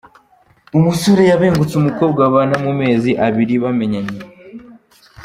Umusore yabengutse umukobwa, babana mu mezi abiri bamenyanye.